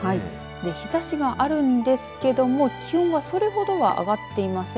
日ざしがあるんですけども気温はそれほどは上がっていません。